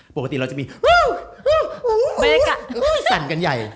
ปกติเราจะมีหู้สั่นกันใหญ่